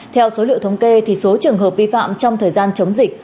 theo số liệu thống kê số trường hợp vi phạm trong thời gian chống dịch